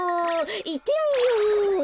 いってみよう！